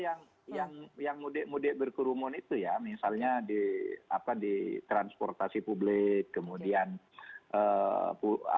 ya terutama yang mudik mudik berkurumun itu ya misalnya di transportasi publik kemudian apa namanya